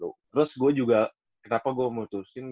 terus gue juga kenapa gue mutusin